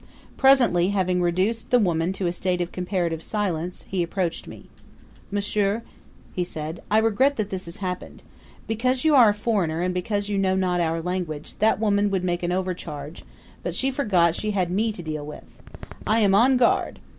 Presently, having reduced the woman to a state of comparative silence, he approached me. "M'sieur," he said, "I regret that this has happened. Because you are a foreigner and because you know not our language, that woman would make an overcharge; but she forgot she had me to deal with. I am on guard!